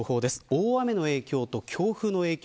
大雨の影響と強風の影響